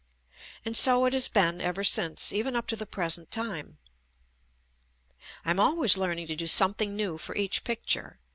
And so it has been ever since, even up to the present time. I'm always learning to do something new for each picture.